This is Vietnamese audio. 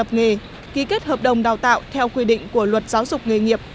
nghề ký kết hợp đồng đào tạo theo quy định của luật giáo dục nghề nghiệp